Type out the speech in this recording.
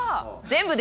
全部？